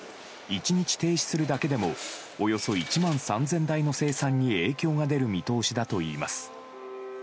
１日停止するだけでもおよそ１万３０００台の生産に影響が出る見通しだといいます。